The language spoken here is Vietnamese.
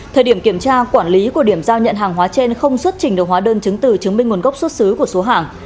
thời điểm kiểm tra quản lý của điểm giao nhận hàng hóa trên không xuất trình được hóa đơn chứng từ chứng minh nguồn gốc xuất xứ của số hàng